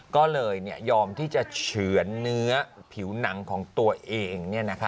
ก็เลยยอมที่จะเฉือนเนื้อผิวหนังของตัวเอง